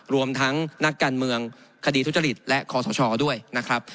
รวมทั้งนักการเมืองคดีทุจริตและคอสชด้วยนะครับ